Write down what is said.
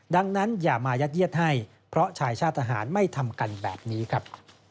ดังนั้นอย่ามายัดเยียดให้เพราะชายชาติทหารไม่ทำกันแบบนี้ครับ